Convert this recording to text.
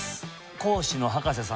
講師の葉加瀬さん